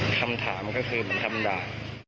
คำถามก็คือมันทำได้